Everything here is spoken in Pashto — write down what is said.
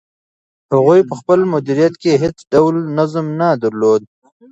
هغوی په خپل مدیریت کې هیڅ ډول نظم نه درلود.